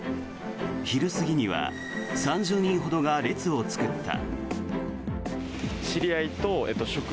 昼過ぎには３０人ほどが列を作った。